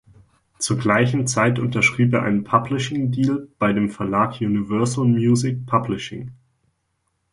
Zur gleichen Zeit unterschrieb er einen Publishing Deal bei dem Verlag Universal Music Publishing.